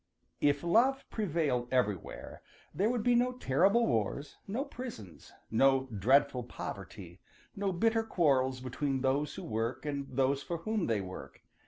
= |IF love prevailed everywhere there would be no terrible wars, no prisons, no dreadful poverty, no bitter quarrels between those who work and those for whom they work.